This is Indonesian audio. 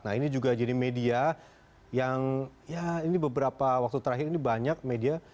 nah ini juga jadi media yang ya ini beberapa waktu terakhir ini banyak media